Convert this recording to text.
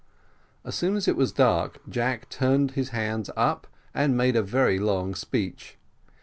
As soon as it was dark Jack turned his hands up and made a very long speech.